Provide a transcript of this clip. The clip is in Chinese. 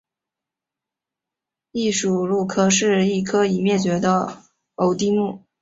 异鼷鹿科是一科已灭绝的偶蹄目。